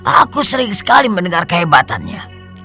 aku sering sekali mendengar kehebatannya